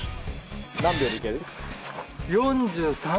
何秒でいける？